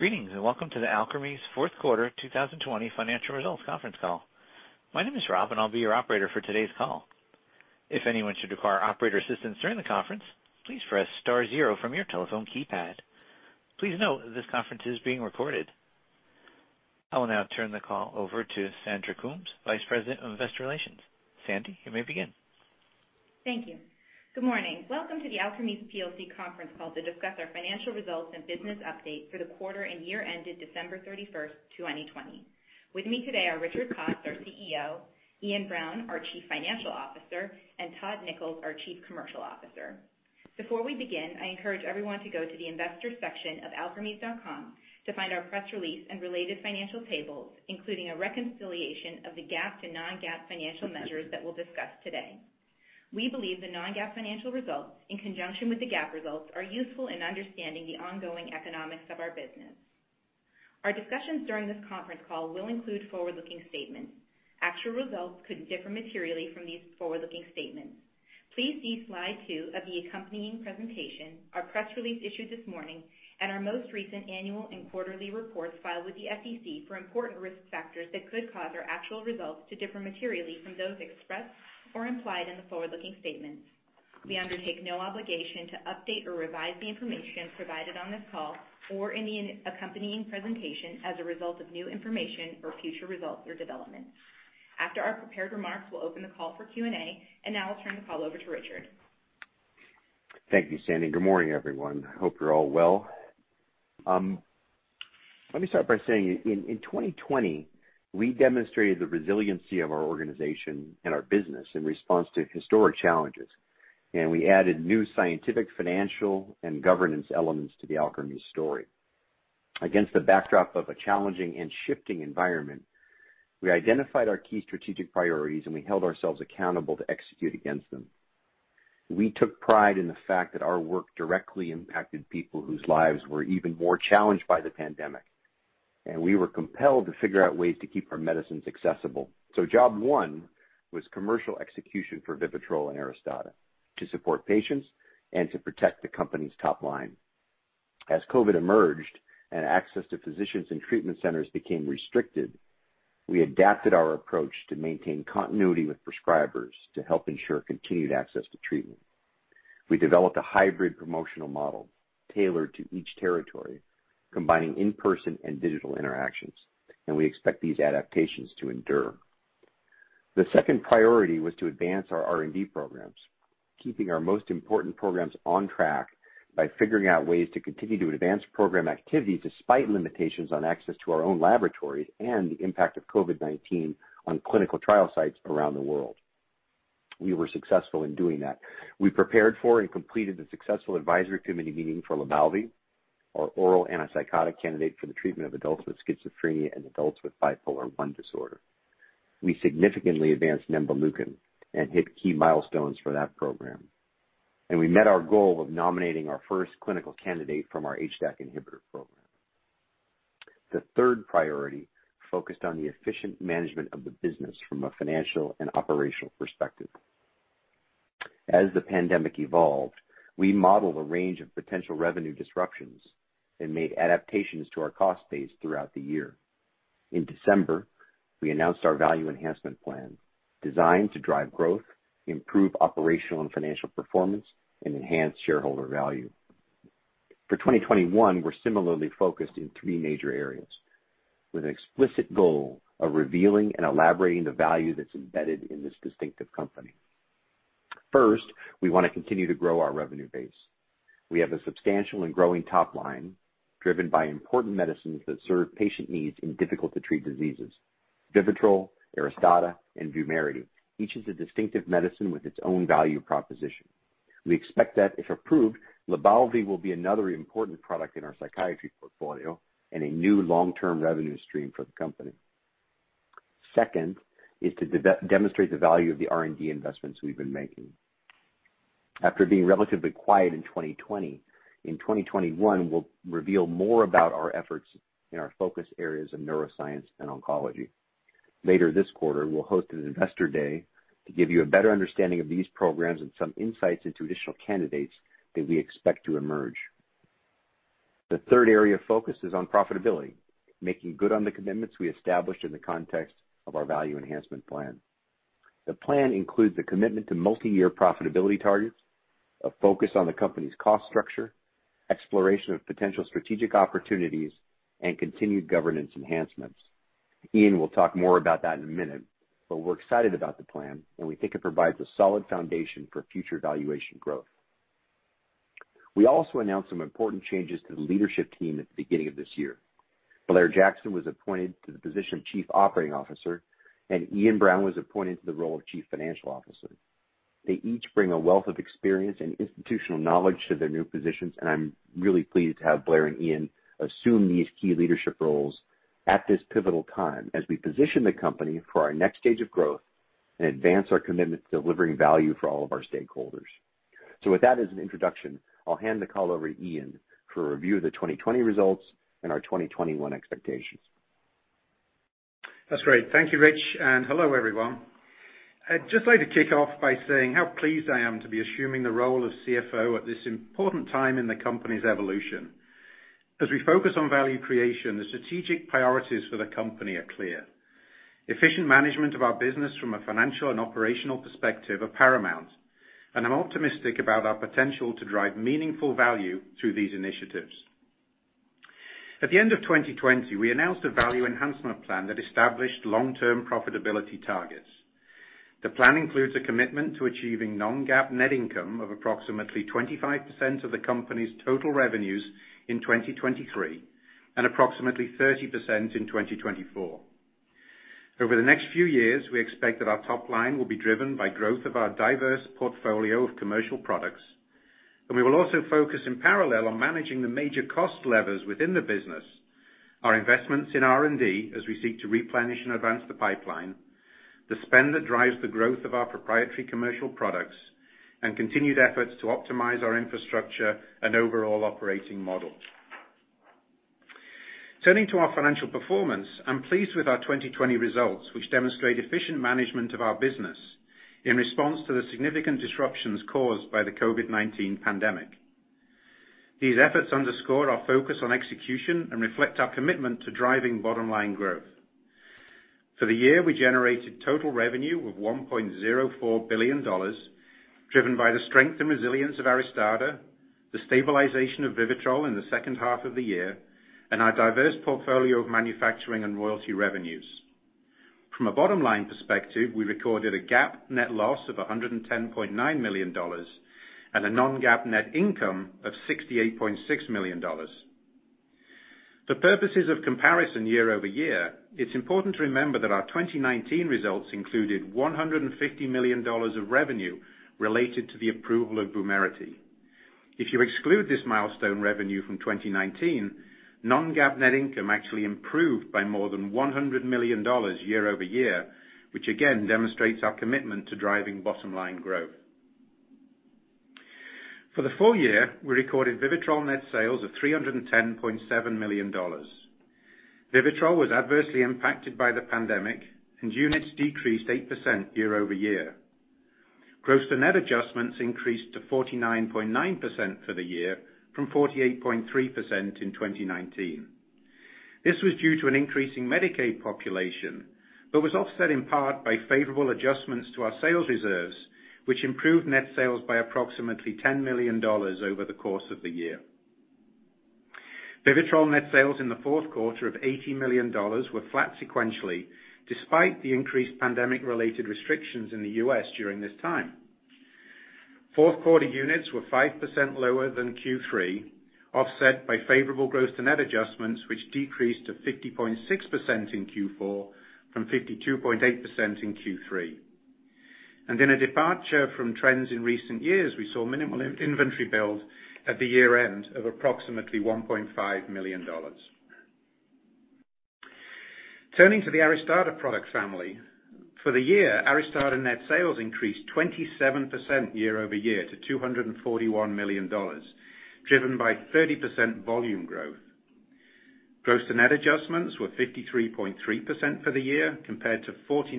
Greetings, and welcome to the Alkermes fourth quarter 2020 financial results conference call. My name is Rob, and I'll be your operator for today's call. If anyone should require operators assistance during the conference please press star zero from your telephone keypad. Please note this conference is being recorded. I will now turn the call over to Sandra Coombs, Vice President of Investor Relations. Sandy, you may begin. Thank you. Good morning. Welcome to the Alkermes plc conference call to discuss our financial results and business update for the quarter and year ended December 31st, 2020. With me today are Richard Pops, our CEO, Iain Brown, our Chief Financial Officer, and Todd Nichols, our Chief Commercial Officer. Before we begin, I encourage everyone to go to the investor section of alkermes.com to find our press release and related financial tables, including a reconciliation of the GAAP to non-GAAP financial measures that we'll discuss today. We believe the non-GAAP financial results, in conjunction with the GAAP results, are useful in understanding the ongoing economics of our business. Our discussions during this conference call will include forward-looking statements. Actual results could differ materially from these forward-looking statements. Please see slide two of the accompanying presentation, our press release issued this morning, and our most recent annual and quarterly reports filed with the SEC for important risk factors that could cause our actual results to differ materially from those expressed or implied in the forward-looking statements. We undertake no obligation to update or revise the information provided on this call or in the accompanying presentation as a result of new information or future results or developments. After our prepared remarks, we'll open the call for Q&A, and now I'll turn the call over to Richard. Thank you, Sandy. Good morning, everyone. Hope you're all well. Let me start by saying, in 2020, we demonstrated the resiliency of our organization and our business in response to historic challenges, and we added new scientific, financial, and governance elements to the Alkermes story. Against the backdrop of a challenging and shifting environment, we identified our key strategic priorities, and we held ourselves accountable to execute against them. We took pride in the fact that our work directly impacted people whose lives were even more challenged by the pandemic, and we were compelled to figure out ways to keep our medicines accessible. Job one was commercial execution for VIVITROL and ARISTADA to support patients and to protect the company's top line. As COVID-19 emerged and access to physicians and treatment centers became restricted, we adapted our approach to maintain continuity with prescribers to help ensure continued access to treatment. We developed a hybrid promotional model tailored to each territory, combining in-person and digital interactions, and we expect these adaptations to endure. The second priority was to advance our R&D programs, keeping our most important programs on track by figuring out ways to continue to advance program activities despite limitations on access to our own laboratories and the impact of COVID-19 on clinical trial sites around the world. We were successful in doing that. We prepared for and completed the successful advisory committee meeting for LYBALVI, our oral antipsychotic candidate for the treatment of adults with schizophrenia and adults with bipolar I disorder. We significantly advanced Nemvaleukin and hit key milestones for that program, and we met our goal of nominating our first clinical candidate from our HDAC inhibitor program. The third priority focused on the efficient management of the business from a financial and operational perspective. As the pandemic evolved, we modeled a range of potential revenue disruptions and made adaptations to our cost base throughout the year. In December, we announced our value enhancement plan designed to drive growth, improve operational and financial performance, and enhance shareholder value. For 2021, we're similarly focused in three major areas with an explicit goal of revealing and elaborating the value that's embedded in this distinctive company. First, we want to continue to grow our revenue base. We have a substantial and growing top line driven by important medicines that serve patient needs in difficult-to-treat diseases. VIVITROL, ARISTADA, and VUMERITY. Each is a distinctive medicine with its own value proposition. We expect that, if approved, LYBALVI will be another important product in our psychiatry portfolio and a new long-term revenue stream for the company. Second is to demonstrate the value of the R&D investments we've been making. After being relatively quiet in 2020, in 2021, we'll reveal more about our efforts in our focus areas of neuroscience and oncology. Later this quarter, we'll host an investor day to give you a better understanding of these programs and some insights into additional candidates that we expect to emerge. The third area of focus is on profitability, making good on the commitments we established in the context of our value enhancement plan. The plan includes a commitment to multi-year profitability targets, a focus on the company's cost structure, exploration of potential strategic opportunities, and continued governance enhancements. Iain will talk more about that in a minute, but we're excited about the plan, and we think it provides a solid foundation for future valuation growth. We also announced some important changes to the leadership team at the beginning of this year. Blair Jackson was appointed to the position of Chief Operating Officer, and Iain Brown was appointed to the role of Chief Financial Officer. They each bring a wealth of experience and institutional knowledge to their new positions, and I'm really pleased to have Blair and Iain assume these key leadership roles at this pivotal time as we position the company for our next stage of growth and advance our commitment to delivering value for all of our stakeholders. With that as an introduction, I'll hand the call over to Iain for a review of the 2020 results and our 2021 expectations. That's great. Thank you, Rich, and hello, everyone. I'd just like to kick off by saying how pleased I am to be assuming the role of CFO at this important time in the company's evolution. As we focus on value creation, the strategic priorities for the company are clear. Efficient management of our business from a financial and operational perspective are paramount, and I'm optimistic about our potential to drive meaningful value through these initiatives. At the end of 2020, we announced a value enhancement plan that established long-term profitability targets. The plan includes a commitment to achieving non-GAAP net income of approximately 25% of the company's total revenues in 2023 and approximately 30% in 2024. Over the next few years, we expect that our top line will be driven by growth of our diverse portfolio of commercial products, and we will also focus in parallel on managing the major cost levers within the business, our investments in R&D as we seek to replenish and advance the pipeline, the spend that drives the growth of our proprietary commercial products, and continued efforts to optimize our infrastructure and overall operating model. Turning to our financial performance, I'm pleased with our 2020 results, which demonstrate efficient management of our business in response to the significant disruptions caused by the COVID-19 pandemic. These efforts underscore our focus on execution and reflect our commitment to driving bottom-line growth. For the year, we generated total revenue of $1.04 billion, driven by the strength and resilience of ARISTADA, the stabilization of VIVITROL in the second half of the year, and our diverse portfolio of manufacturing and royalty revenues. From a bottom-line perspective, we recorded a GAAP net loss of $110.9 million and a non-GAAP net income of $68.6 million. For purposes of comparison year-over-year, it's important to remember that our 2019 results included $150 million of revenue related to the approval of VUMERITY. If you exclude this milestone revenue from 2019, non-GAAP net income actually improved by more than $100 million year-over-year, which again demonstrates our commitment to driving bottom-line growth. For the full year, we recorded VIVITROL net sales of $310.7 million. VIVITROL was adversely impacted by the pandemic, and units decreased 8% year-over-year. Gross-to-net adjustments increased to 49.9% for the year from 48.3% in 2019. This was due to an increase in Medicaid population, but was offset in part by favorable adjustments to our sales reserves, which improved net sales by approximately $10 million over the course of the year. VIVITROL net sales in the fourth quarter of $80 million were flat sequentially, despite the increased pandemic-related restrictions in the U.S. during this time. Fourth quarter units were 5% lower than Q3, offset by favorable gross to net adjustments, which decreased to 50.6% in Q4 from 52.8% in Q3. In a departure from trends in recent years, we saw minimal inventory build at the year-end of approximately $1.5 million. Turning to the ARISTADA product family. For the year, ARISTADA net sales increased 27% year-over-year to $241 million, driven by 30% volume growth. Gross to net adjustments were 53.3% for the year compared to 49%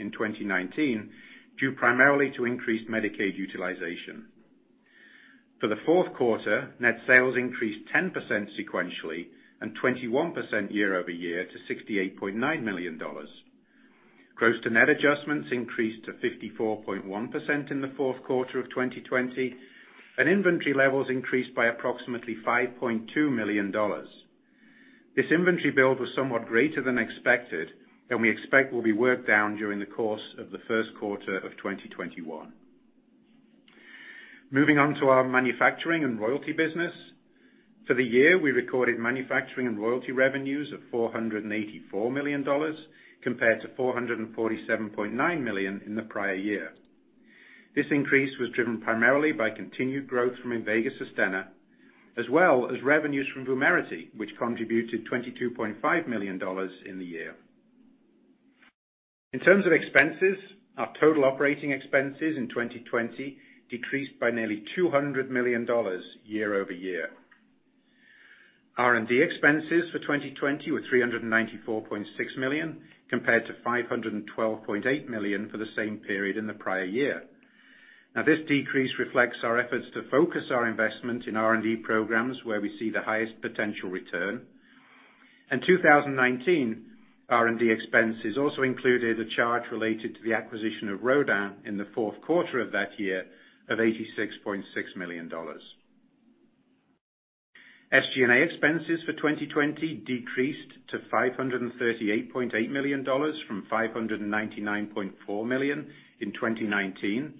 in 2019, due primarily to increased Medicaid utilization. For the fourth quarter, net sales increased 10% sequentially and 21% year-over-year to $68.9 million. Gross to net adjustments increased to 54.1% in the fourth quarter of 2020, and inventory levels increased by approximately $5.2 million. This inventory build was somewhat greater than expected and we expect will be worked down during the course of the first quarter of 2021. Moving on to our manufacturing and royalty business. For the year, we recorded manufacturing and royalty revenues of $484 million compared to $447.9 million in the prior year. This increase was driven primarily by continued growth from INVEGA SUSTENNA as well as revenues from VUMERITY, which contributed $22.5 million in the year. In terms of expenses, our total operating expenses in 2020 decreased by nearly $200 million year-over-year. R&D expenses for 2020 were $394.6 million, compared to $512.8 million for the same period in the prior year. Now this decrease reflects our efforts to focus our investment in R&D programs where we see the highest potential return. In 2019, R&D expenses also included a charge related to the acquisition of Rodin in the fourth quarter of that year of $86.6 million. SG&A expenses for 2020 decreased to $538.8 million from $599.4 million in 2019,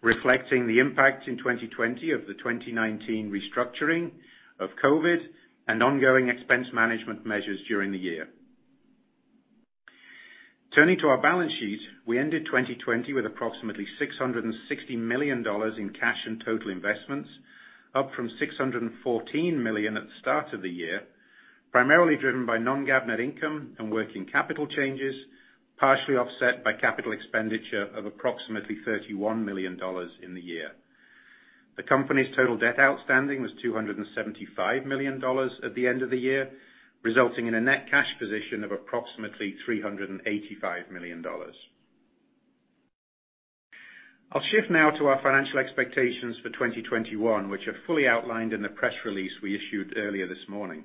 reflecting the impact in 2020 of the 2019 restructuring of COVID and ongoing expense management measures during the year. Turning to our balance sheet, we ended 2020 with approximately $660 million in cash and total investments, up from $614 million at the start of the year, primarily driven by non-GAAP net income and working capital changes, partially offset by capital expenditure of approximately $31 million in the year. The company's total debt outstanding was $275 million at the end of the year, resulting in a net cash position of approximately $385 million. I'll shift now to our financial expectations for 2021, which are fully outlined in the press release we issued earlier this morning.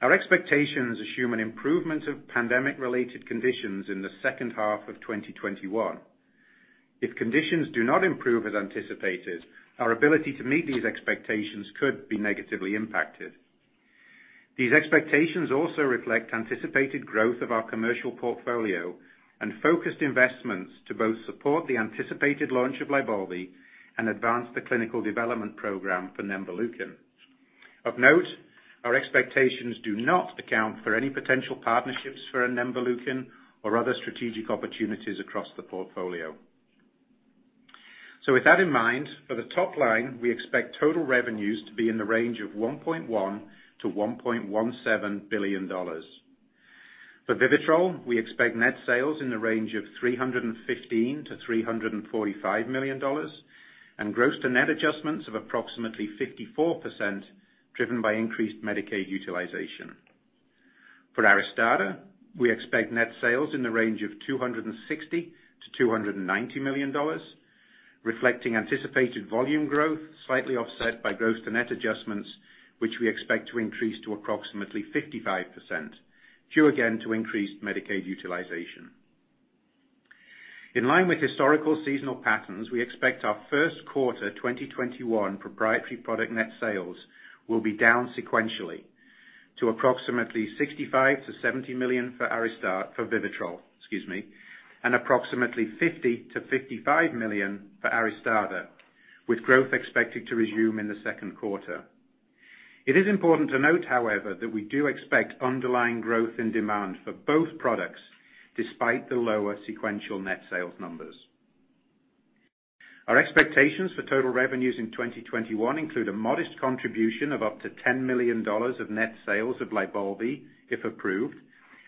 Our expectations assume an improvement of pandemic-related conditions in the second half of 2021. If conditions do not improve as anticipated, our ability to meet these expectations could be negatively impacted. These expectations also reflect anticipated growth of our commercial portfolio and focused investments to both support the anticipated launch of LYBALVI and advance the clinical development program for Nemvaleukin. Of note, our expectations do not account for any potential partnerships for Nemvaleukin or other strategic opportunities across the portfolio. With that in mind, for the top line, we expect total revenues to be in the range of $1.1 billion-$1.17 billion. For VIVITROL, we expect net sales in the range of $315 million-$345 million and gross to net adjustments of approximately 54%, driven by increased Medicaid utilization. For ARISTADA, we expect net sales in the range of $260 million-$290 million, reflecting anticipated volume growth, slightly offset by gross to net adjustments, which we expect to increase to approximately 55%, due again to increased Medicaid utilization. In line with historical seasonal patterns, we expect our first quarter 2021 proprietary product net sales will be down sequentially to approximately $65 million-$70 million for VIVITROL, excuse me, and approximately $50 million-$55 million for ARISTADA, with growth expected to resume in the second quarter. It is important to note, however, that we do expect underlying growth and demand for both products, despite the lower sequential net sales numbers. Our expectations for total revenues in 2021 include a modest contribution of up to $10 million of net sales of LYBALVI, if approved,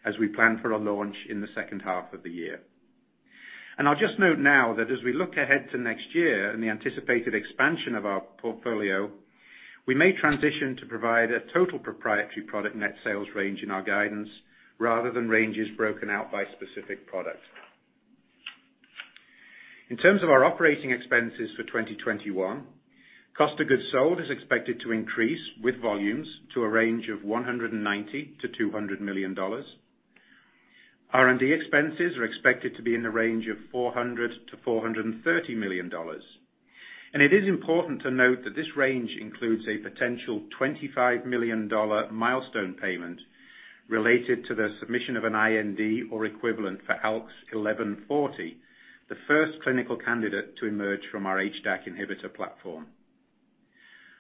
as we plan for a launch in the second half of the year. I'll just note now that as we look ahead to next year and the anticipated expansion of our portfolio, we may transition to provide a total proprietary product net sales range in our guidance rather than ranges broken out by specific product. In terms of our operating expenses for 2021, cost of goods sold is expected to increase with volumes to a range of $190 million-$200 million. R&D expenses are expected to be in the range of $400 million-$430 million. It is important to note that this range includes a potential $25 million milestone payment related to the submission of an IND or equivalent for ALKS 1140, the first clinical candidate to emerge from our HDAC inhibitor platform.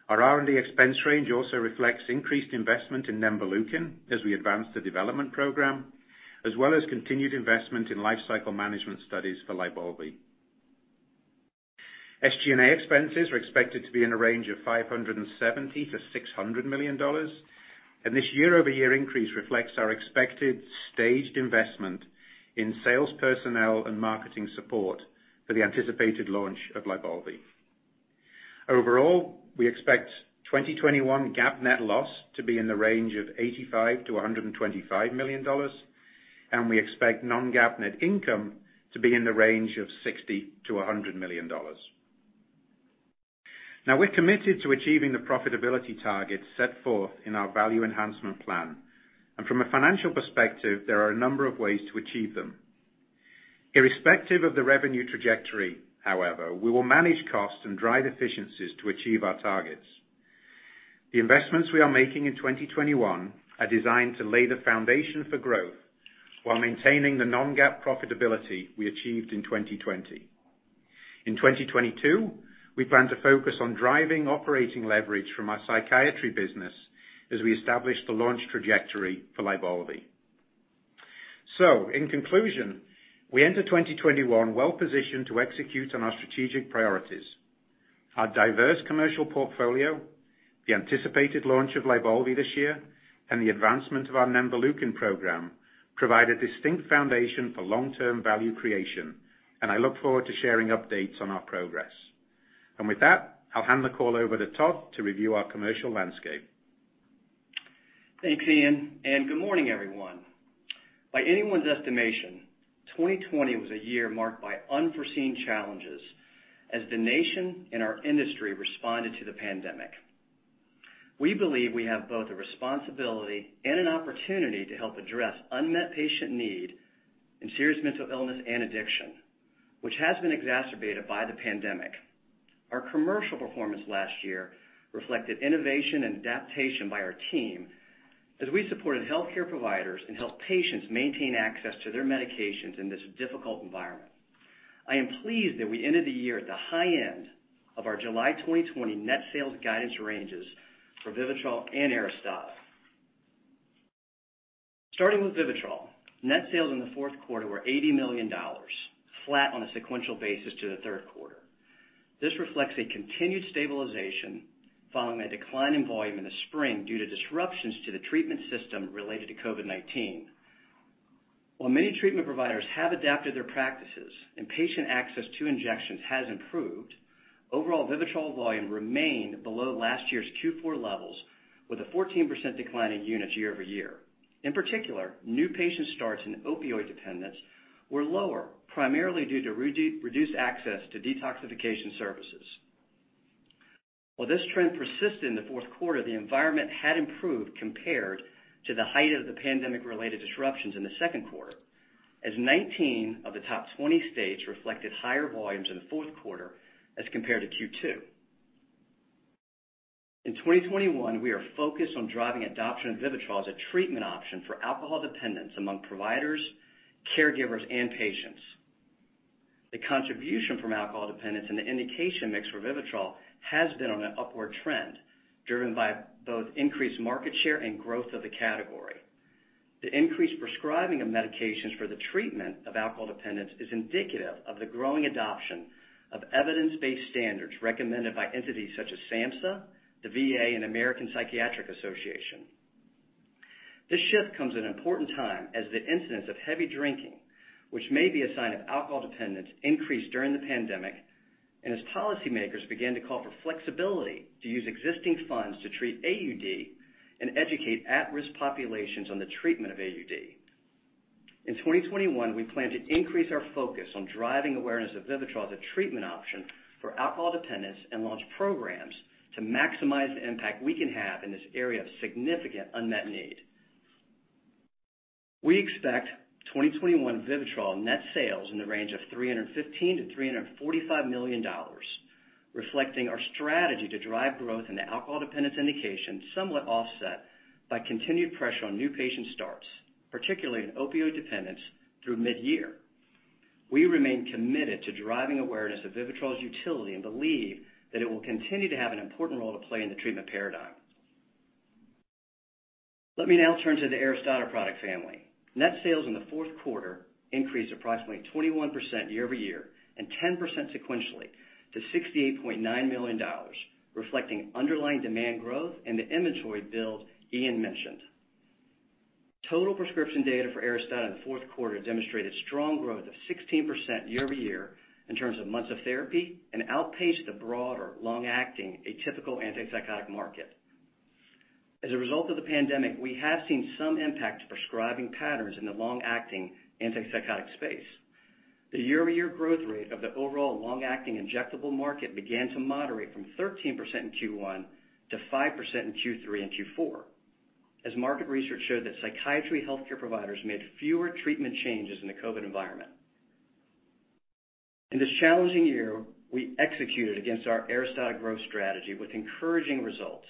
Our R&D expense range also reflects increased investment in Nemvaleukin as we advance the development program, as well as continued investment in lifecycle management studies for LYBALVI. SG&A expenses are expected to be in a range of $570 million-$600 million. This year-over-year increase reflects our expected staged investment in sales personnel and marketing support for the anticipated launch of LYBALVI. Overall, we expect 2021 GAAP net loss to be in the range of $85 million-$125 million, and we expect non-GAAP net income to be in the range of $60 million-$100 million. Now, we're committed to achieving the profitability targets set forth in our value enhancement plan. From a financial perspective, there are a number of ways to achieve them. Irrespective of the revenue trajectory, however, we will manage costs and drive efficiencies to achieve our targets. The investments we are making in 2021 are designed to lay the foundation for growth while maintaining the non-GAAP profitability we achieved in 2020. In 2022, we plan to focus on driving operating leverage from our psychiatry business as we establish the launch trajectory for LYBALVI. In conclusion, we enter 2021 well-positioned to execute on our strategic priorities. Our diverse commercial portfolio, the anticipated launch of LYBALVI this year, and the advancement of our Nemvaleukin program provide a distinct foundation for long-term value creation, and I look forward to sharing updates on our progress. With that, I'll hand the call over to Todd to review our commercial landscape. Thanks, Iain, good morning, everyone. By anyone's estimation, 2020 was a year marked by unforeseen challenges as the nation and our industry responded to the pandemic. We believe we have both a responsibility and an opportunity to help address unmet patient need in serious mental illness and addiction, which has been exacerbated by the pandemic. Our commercial performance last year reflected innovation and adaptation by our team as we supported healthcare providers and helped patients maintain access to their medications in this difficult environment. I am pleased that we ended the year at the high end of our July 2020 net sales guidance ranges for VIVITROL and ARISTADA. Starting with VIVITROL, net sales in the fourth quarter were $80 million, flat on a sequential basis to the third quarter. This reflects a continued stabilization following a decline in volume in the spring due to disruptions to the treatment system related to COVID-19. While many treatment providers have adapted their practices and patient access to injections has improved, overall VIVITROL volume remained below last year's Q4 levels, with a 14% decline in units year-over-year. In particular, new patient starts in opioid dependence were lower, primarily due to reduced access to detoxification services. While this trend persisted in the fourth quarter, the environment had improved compared to the height of the pandemic-related disruptions in the second quarter, as 19 of the top 20 states reflected higher volumes in the fourth quarter as compared to Q2. In 2021, we are focused on driving adoption of VIVITROL as a treatment option for alcohol dependence among providers, caregivers, and patients. The contribution from alcohol dependence and the indication mix for VIVITROL has been on an upward trend, driven by both increased market share and growth of the category. The increased prescribing of medications for the treatment of alcohol dependence is indicative of the growing adoption of evidence-based standards recommended by entities such as SAMHSA, the VA, and American Psychiatric Association. This shift comes at an important time as the incidence of heavy drinking, which may be a sign of alcohol dependence, increased during the pandemic, and as policymakers began to call for flexibility to use existing funds to treat AUD and educate at-risk populations on the treatment of AUD. In 2021, we plan to increase our focus on driving awareness of VIVITROL as a treatment option for alcohol dependence and launch programs to maximize the impact we can have in this area of significant unmet need. We expect 2021 VIVITROL net sales in the range of $315 million-$345 million, reflecting our strategy to drive growth in the alcohol dependence indication, somewhat offset by continued pressure on new patient starts, particularly in opioid dependence through mid-year. We remain committed to driving awareness of VIVITROL's utility and believe that it will continue to have an important role to play in the treatment paradigm. Let me now turn to the ARISTADA product family. Net sales in the fourth quarter increased approximately 21% year-over-year and 10% sequentially to $68.9 million, reflecting underlying demand growth and the inventory build Iain mentioned. Total prescription data for ARISTADA in the fourth quarter demonstrated strong growth of 16% year-over-year in terms of months of therapy, and outpaced the broader long-acting atypical antipsychotic market. As a result of the pandemic, we have seen some impact to prescribing patterns in the long-acting antipsychotic space. The year-over-year growth rate of the overall long-acting injectable market began to moderate from 13% in Q1 to 5% in Q3 and Q4 as market research showed that psychiatry healthcare providers made fewer treatment changes in the COVID environment. In this challenging year, we executed against our ARISTADA growth strategy with encouraging results.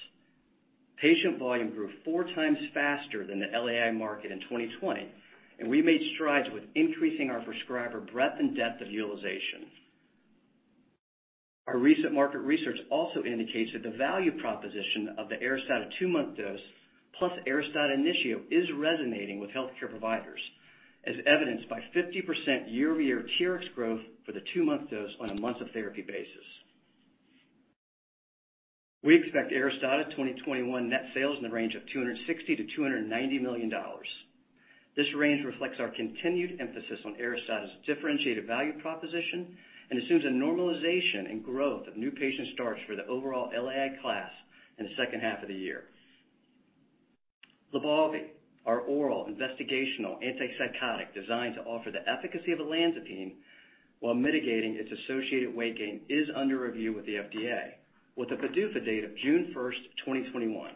Patient volume grew 4x faster than the LAI market in 2020, and we made strides with increasing our prescriber breadth and depth of utilization. Our recent market research also indicates that the value proposition of the ARISTADA two-month dose plus ARISTADA Initio is resonating with healthcare providers, as evidenced by 50% year-over-year TRx growth for the two-month dose on a months of therapy basis. We expect ARISTADA 2021 net sales in the range of $260 million-$290 million. This range reflects our continued emphasis on ARISTADA's differentiated value proposition and assumes a normalization in growth of new patient starts for the overall LAI class in the second half of the year. LYBALVI, our oral investigational antipsychotic designed to offer the efficacy of olanzapine while mitigating its associated weight gain, is under review with the FDA with a PDUFA date of June 1st, 2021.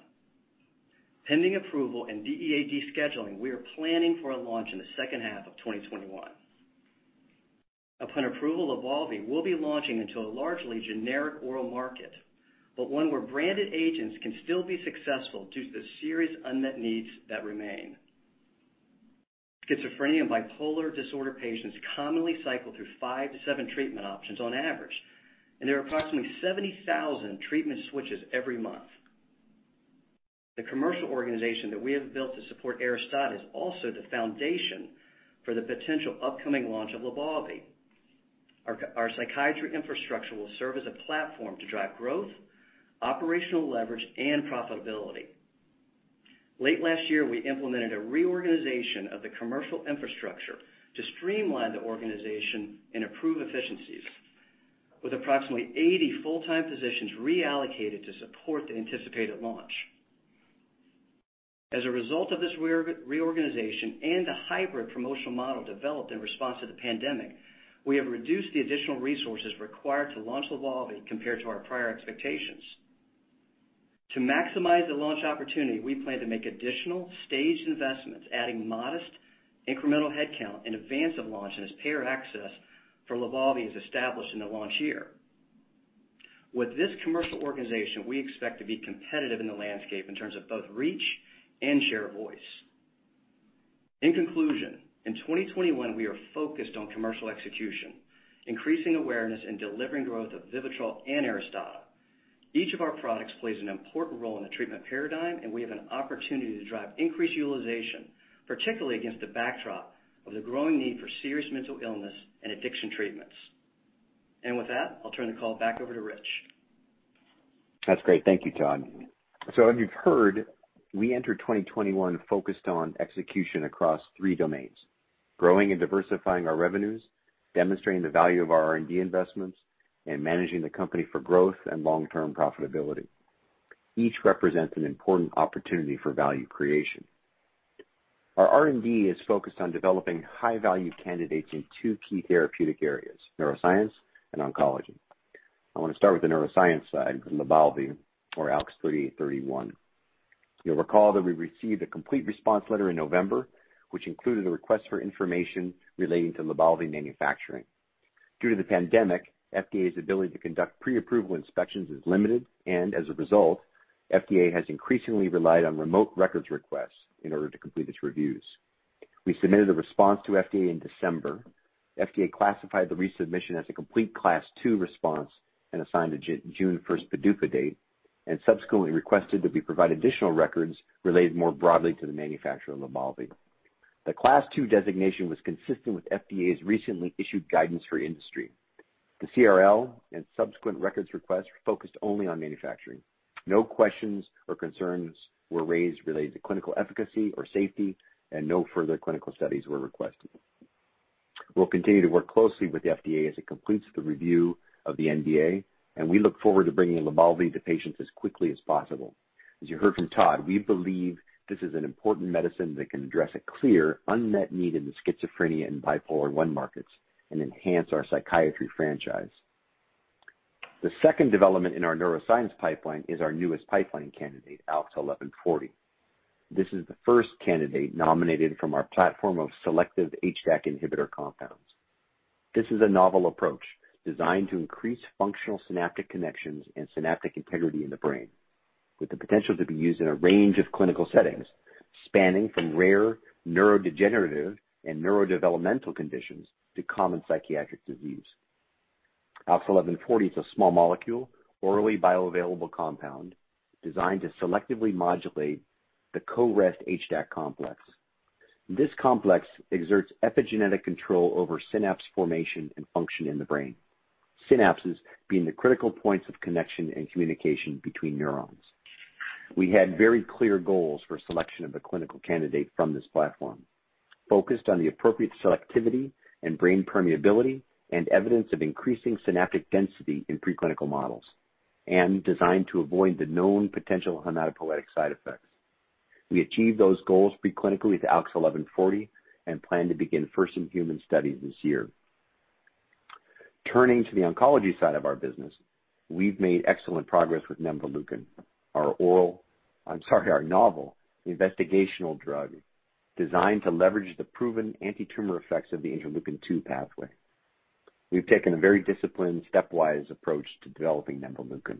Pending approval and DEA descheduling, we are planning for a launch in the second half of 2021. Upon approval, LYBALVI will be launching into a largely generic oral market, but one where branded agents can still be successful due to the serious unmet needs that remain. Schizophrenia and bipolar disorder patients commonly cycle through five to seven treatment options on average, and there are approximately 70,000 treatment switches every month. The commercial organization that we have built to support ARISTADA is also the foundation for the potential upcoming launch of LYBALVI. Our psychiatry infrastructure will serve as a platform to drive growth, operational leverage, and profitability. Late last year, we implemented a reorganization of the commercial infrastructure to streamline the organization and improve efficiencies with approximately 80 full-time positions reallocated to support the anticipated launch. As a result of this reorganization and the hybrid promotional model developed in response to the pandemic, we have reduced the additional resources required to launch LYBALVI compared to our prior expectations. To maximize the launch opportunity, we plan to make additional staged investments, adding modest incremental headcount in advance of launch and as payer access for LYBALVI is established in the launch year. With this commercial organization, we expect to be competitive in the landscape in terms of both reach and share of voice. In conclusion, in 2021, we are focused on commercial execution, increasing awareness, and delivering growth of VIVITROL and ARISTADA. Each of our products plays an important role in the treatment paradigm, and we have an opportunity to drive increased utilization, particularly against the backdrop of the growing need for serious mental illness and addiction treatments. With that, I'll turn the call back over to Rich. That's great. Thank you, Todd. As you've heard, we entered 2021 focused on execution across three domains, growing and diversifying our revenues, demonstrating the value of our R&D investments, and managing the company for growth and long-term profitability. Each represents an important opportunity for value creation. Our R&D is focused on developing high-value candidates in two key therapeutic areas, neuroscience and oncology. I want to start with the neuroscience side, levolulab, or ALKS 3831. You'll recall that we received a complete response letter in November, which included a request for information relating to LYBALVI manufacturing. Due to the pandemic, FDA's ability to conduct pre-approval inspections is limited, and as a result, FDA has increasingly relied on remote records requests in order to complete its reviews. We submitted a response to FDA in December. FDA classified the resubmission as a complete Class 2 response and assigned a June 1st PDUFA date, and subsequently requested that we provide additional records related more broadly to the manufacture of LYBALVI. The Class 2 designation was consistent with FDA's recently issued guidance for industry. The CRL and subsequent records request focused only on manufacturing. No questions or concerns were raised related to clinical efficacy or safety, and no further clinical studies were requested. We'll continue to work closely with the FDA as it completes the review of the NDA, and we look forward to bringing LYBALVI to patients as quickly as possible. As you heard from Todd, we believe this is an important medicine that can address a clear unmet need in the schizophrenia and bipolar I markets and enhance our psychiatry franchise. The second development in our neuroscience pipeline is our newest pipeline candidate, ALKS 1140. This is the first candidate nominated from our platform of selective HDAC inhibitor compounds. This is a novel approach designed to increase functional synaptic connections and synaptic integrity in the brain, with the potential to be used in a range of clinical settings spanning from rare neurodegenerative and neurodevelopmental conditions to common psychiatric disease. ALKS 1140 is a small molecule, orally bioavailable compound designed to selectively modulate the CoREST HDAC complex. This complex exerts epigenetic control over synapse formation and function in the brain, synapses being the critical points of connection and communication between neurons. We had very clear goals for selection of a clinical candidate from this platform focused on the appropriate selectivity and brain permeability and evidence of increasing synaptic density in preclinical models and designed to avoid the known potential hematopoietic side effects. We achieved those goals preclinically with ALKS 1140 and plan to begin first-in-human studies this year. Turning to the oncology side of our business, we've made excellent progress with Nemvaleukin, our novel investigational drug designed to leverage the proven antitumor effects of the interleukin-2 pathway. We've taken a very disciplined, stepwise approach to developing Nemvaleukin.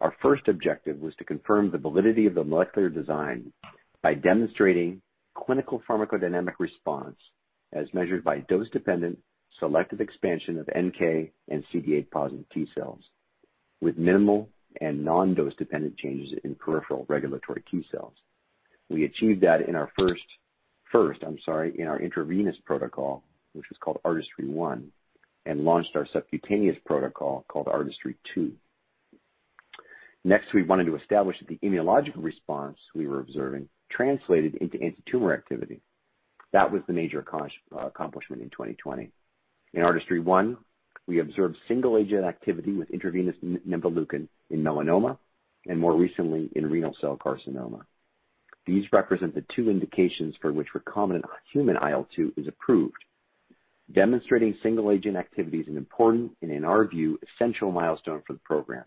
Our first objective was to confirm the validity of the molecular design by demonstrating clinical pharmacodynamic response as measured by dose-dependent selective expansion of NK and CD8 positive T cells with minimal and non-dose-dependent changes in peripheral regulatory T cells. We achieved that in our first intravenous protocol, which was called ARTISTRY-1, and launched our subcutaneous protocol called ARTISTRY-2. Next, we wanted to establish that the immunological response we were observing translated into antitumor activity. That was the major accomplishment in 2020. In ARTISTRY-1, we observed single-agent activity with intravenous Nemvaleukin in melanoma and more recently in renal cell carcinoma. These represent the two indications for which recombinant human IL-2 is approved. Demonstrating single-agent activity is an important, and in our our view, essential milestone for the program.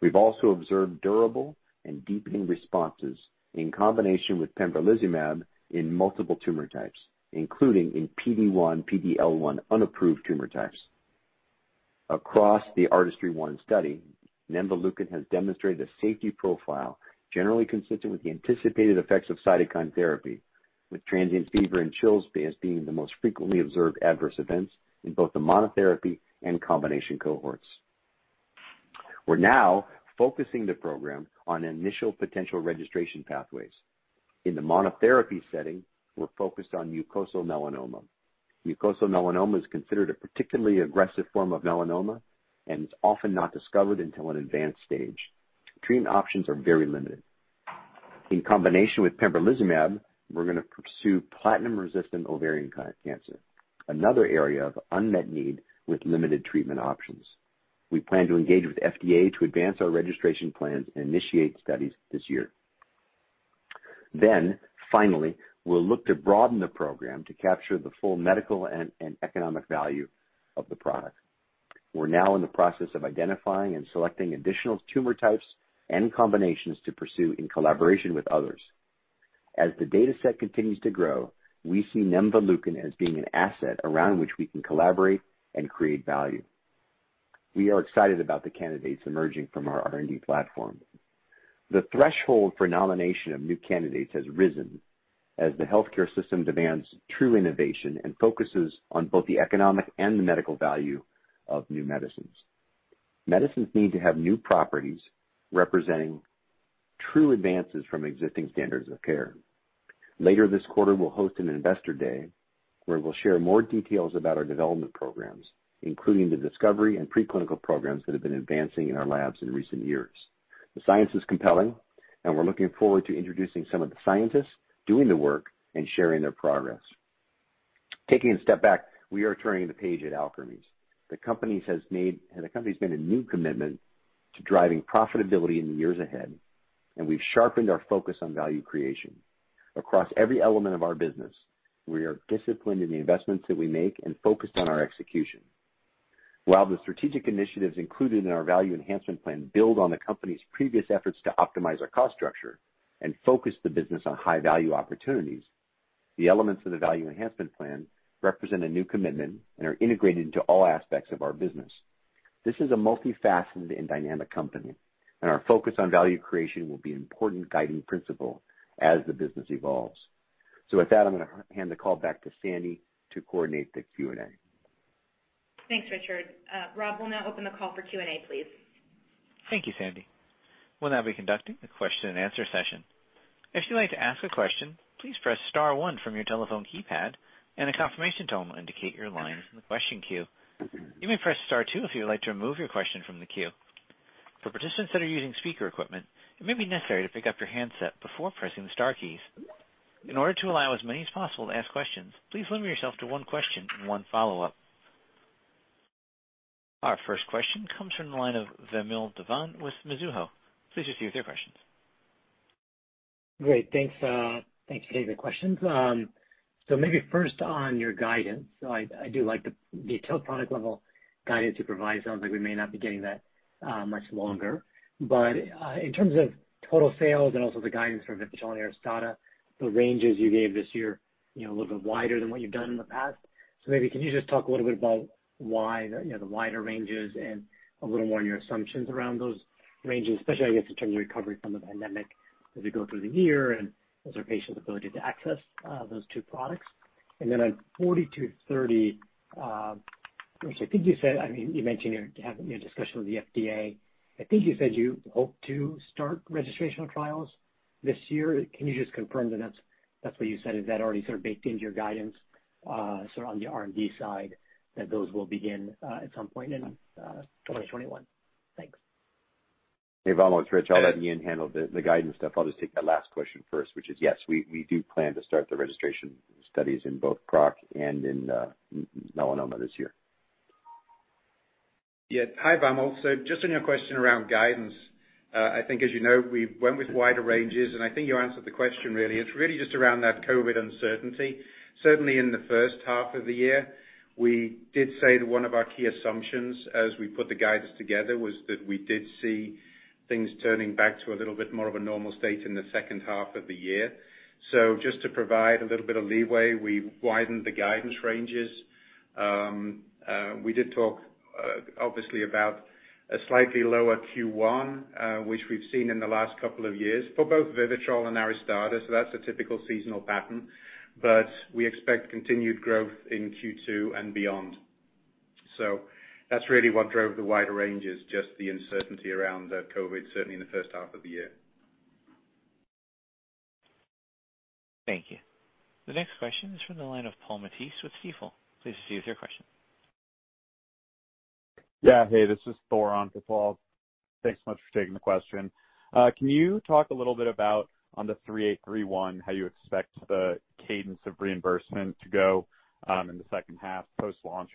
We've also observed durable and deepening responses in combination with pembrolizumab in multiple tumor types, including in PD-1/PD-L1 unapproved tumor types. Across the ARTISTRY-1 study, Nemvaleukin has demonstrated a safety profile generally consistent with the anticipated effects of cytokine therapy, with transient fever and chills as being the most frequently observed adverse events in both the monotherapy and combination cohorts. We're now focusing the program on initial potential registration pathways. In the monotherapy setting, we're focused on mucosal melanoma. Mucosal melanoma is considered a particularly aggressive form of melanoma and is often not discovered until an advanced stage. Treatment options are very limited. In combination with pembrolizumab, we're going to pursue platinum-resistant ovarian cancer, another area of unmet need with limited treatment options. We plan to engage with FDA to advance our registration plans and initiate studies this year. Finally, we'll look to broaden the program to capture the full medical and economic value of the product. We're now in the process of identifying and selecting additional tumor types and combinations to pursue in collaboration with others. As the dataset continues to grow, we see Nemvaleukin as being an asset around which we can collaborate and create value. We are excited about the candidates emerging from our R&D platform. The threshold for nomination of new candidates has risen as the healthcare system demands true innovation and focuses on both the economic and the medical value of new medicines. Medicines need to have new properties representing true advances from existing standards of care. Later this quarter, we'll host an investor day where we'll share more details about our development programs, including the discovery and preclinical programs that have been advancing in our labs in recent years. The science is compelling, and we're looking forward to introducing some of the scientists doing the work and sharing their progress. Taking a step back, we are turning the page at Alkermes. The company's made a new commitment to driving profitability in the years ahead, and we've sharpened our focus on value creation. Across every element of our business, we are disciplined in the investments that we make and focused on our execution. While the strategic initiatives included in our value enhancement plan build on the company's previous efforts to optimize our cost structure and focus the business on high-value opportunities, the elements of the value enhancement plan represent a new commitment and are integrated into all aspects of our business. This is a multifaceted and dynamic company, our focus on value creation will be an important guiding principle as the business evolves. With that, I'm going to hand the call back to Sandy to coordinate the Q&A. Thanks, Richard. Rob, we'll now open the call for Q&A, please. Thank you, Sandy. We'll now be conducting a question and answer session. If you'd like to ask a question, please press star one from your telephone keypad, and a confirmation tone will indicate your line is in the question queue. You may press star two if you would like to remove your question from the queue. For participants that are using speaker equipment, it may be necessary to pick up your handset before pressing the star keys. In order to allow as many as possible to ask questions, please limit yourself to one question and one follow-up. Our first question comes from the line of Vamil Divan with Mizuho. Please proceed with your questions. Great. Thanks for taking the questions. Maybe first on your guidance. I do like the detailed product level guidance you provide. It sounds like we may not be getting that much longer. In terms of total sales and also the guidance for VIVITROL and ARISTADA, the ranges you gave this year, a little bit wider than what you've done in the past. Maybe can you just talk a little bit about why the wider ranges and a little more on your assumptions around those ranges? Especially, I guess, in terms of recovery from the pandemic as we go through the year and observation ability to access those two products. On 4230, which I think you said, you mentioned you're having a discussion with the FDA. I think you said you hope to start registrational trials this year. Can you just confirm that that's what you said? Is that already sort of baked into your guidance, sort of on the R&D side, that those will begin at some point in 2021? Thanks. Hey, Vamil, it's Rich. I'll let Iain handle the guidance stuff. I'll just take that last question first, which is yes, we do plan to start the registration studies in both PROC and in melanoma this year. Yeah. Hi, Vamil. Just on your question around guidance. I think as you know, we went with wider ranges, and I think you answered the question really. It's really just around that COVID-19 uncertainty. Certainly in the first half of the year, we did say that one of our key assumptions as we put the guidance together was that we did see things turning back to a little bit more of a normal state in the second half of the year. Just to provide a little bit of leeway, we widened the guidance ranges. We did talk, obviously, about a slightly lower Q1, which we've seen in the last couple of years for both VIVITROL and ARISTADA. That's a typical seasonal pattern. We expect continued growth in Q2 and beyond. That's really what drove the wider ranges, just the uncertainty around COVID, certainly in the first half of the year. Thank you. The next question is from the line of Paul Matteis with Stifel. Please proceed with your question. Yeah. Hey, this is Thor on for Paul. Thanks so much for taking the question. Can you talk a little bit about, on the ALKS 3831, how you expect the cadence of reimbursement to go, in the second half post-launch?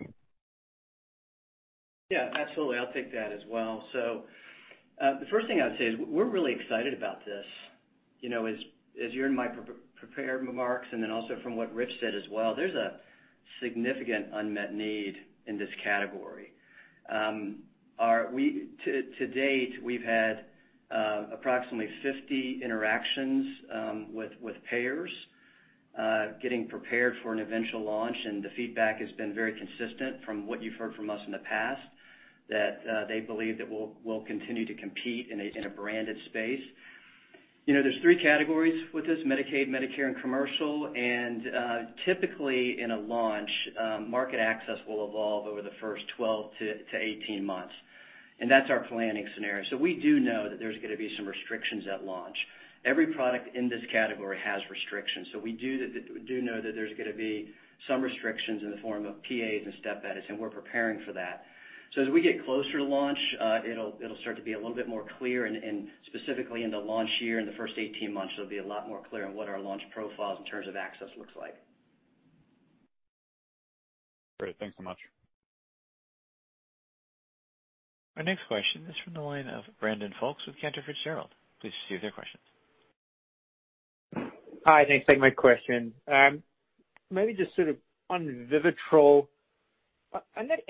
Yeah, absolutely. I'll take that as well. The first thing I would say is we're really excited about this. As you heard in my prepared remarks, and then also from what Rich said as well, there's a significant unmet need in this category. To-date, we've had approximately 50 interactions with payers getting prepared for an eventual launch, and the feedback has been very consistent from what you've heard from us in the past, that they believe that we'll continue to compete in a branded space. There's three categories with this, Medicaid, Medicare, and commercial. Typically in a launch, market access will evolve over the first 12-18 months. That's our planning scenario. We do know that there's going to be some restrictions at launch. Every product in this category has restrictions, so we do know that there's going to be some restrictions in the form of PAs and step edits, and we're preparing for that. As we get closer to launch, it'll start to be a little bit more clear, and specifically in the launch year, in the first 18 months, it'll be a lot more clear on what our launch profiles in terms of access looks like. Great. Thanks so much. Our next question is from the line of Brandon Folkes with Cantor Fitzgerald. Please proceed with your question. Hi, thanks. Thanks for taking my question. Maybe just sort of on VIVITROL. On that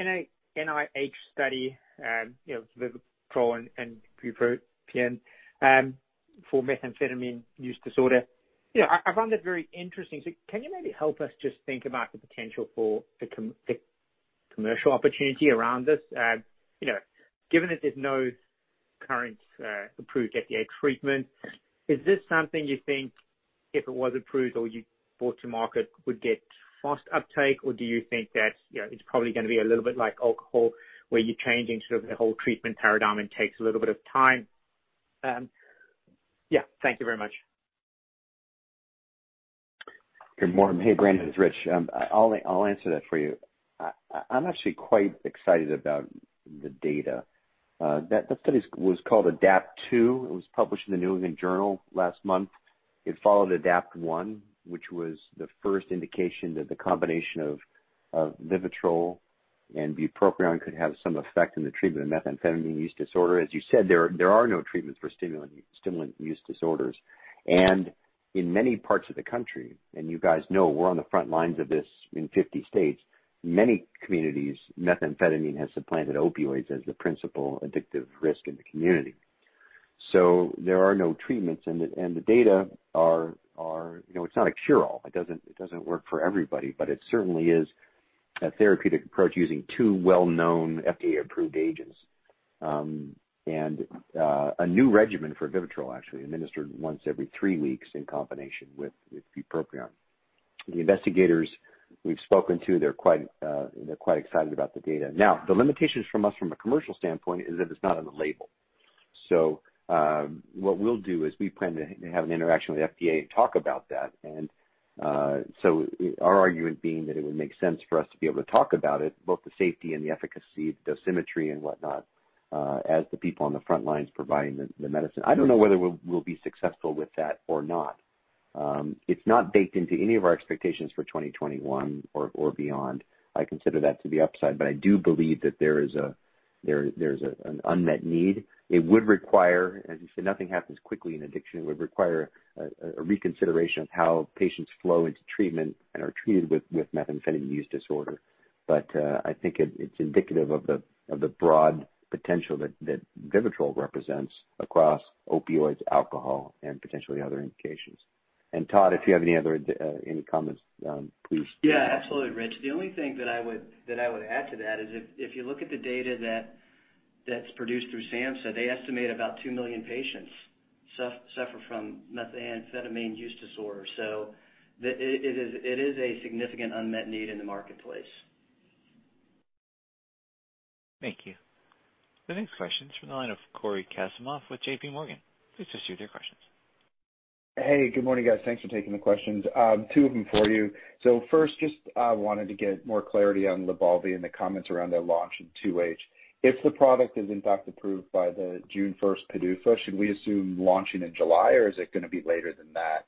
NIH study, VIVITROL and bupropion for methamphetamine use disorder, I found that very interesting. Can you maybe help us just think about the potential for the commercial opportunity around this? Given that there's no current approved FDA treatment, is this something you think if it was approved or you brought to market, would get fast uptake, or do you think that it's probably going to be a little bit like alcohol, where you're changing sort of the whole treatment paradigm and takes a little bit of time? Yeah. Thank you very much. Good morning. Hey, Brandon, it's Rich. I'll answer that for you. I'm actually quite excited about the data. That study was called ADAPT-2. It was published in the New England Journal last month. It followed ADAPT-1, which was the first indication that the combination of VIVITROL and bupropion could have some effect in the treatment of methamphetamine use disorder. As you said, there are no treatments for stimulant use disorders. In many parts of the country, and you guys know we're on the front lines of this in 50 states, many communities, methamphetamine has supplanted opioids as the principal addictive risk in the community. There are no treatments. It's not a cure-all. It doesn't work for everybody, but it certainly is a therapeutic approach using two well-known FDA-approved agents. A new regimen for VIVITROL, actually, administered once every three weeks in combination with bupropion. The investigators we've spoken to they're quite excited about the data. The limitations from us from a commercial standpoint is that it's not on the label. What we'll do is we plan to have an interaction with FDA to talk about that. Our argument being that it would make sense for us to be able to talk about it, both the safety and the efficacy, the dosimetry and whatnot, as the people on the front lines providing the medicine. I don't know whether we'll be successful with that or not. It's not baked into any of our expectations for 2021 or beyond. I consider that to be upside, but I do believe that there is an unmet need. It would require, as you said, nothing happens quickly in addiction. It would require a reconsideration of how patients flow into treatment and are treated with methamphetamine use disorder. I think it's indicative of the broad potential that VIVITROL represents across opioids, alcohol, and potentially other indications. Todd, if you have any comments, please. Yeah, absolutely Rich. The only thing that I would add to that is if you look at the data that's produced through SAMHSA, they estimate about 2 million patients suffer from methamphetamine use disorder. It is a significant unmet need in the marketplace. Thank you. The next question is from the line of Cory Kasimov with JPMorgan. Please proceed with your questions. Hey, good morning, guys. Thanks for taking the questions. Two of them for you. First, just wanted to get more clarity on LYBALVI and the comments around their launch in 2H. If the product is in fact approved by the June 1st PDUFA, should we assume launching in July or is it going to be later than that?